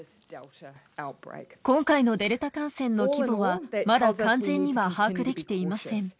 今回のデルタ感染の規模は、まだ完全には把握できていません。